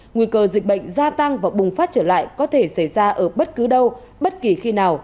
nguy cơ dịch bệnh gia tăng và bùng phát trở lại có thể xảy ra ở bất cứ đâu bất kỳ khi nào